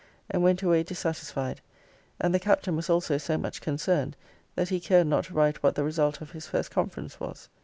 And went away dissatisfied. And the Captain was also so much concerned, that he cared not to write what the result of his first conference was.